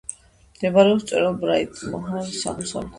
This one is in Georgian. მდებარეობს მწვერვალ ბრაიტჰორნის აღმოსავლეთით.